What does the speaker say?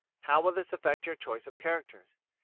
How will this affect your choice of characters?